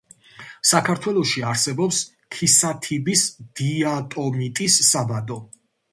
საქართველოში არსებობს ქისათიბის დიატომიტის საბადო.